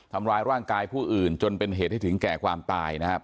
ทำร้ายร่างกายผู้อื่นจนเป็นเหตุให้ถึงแก่ความตายนะครับ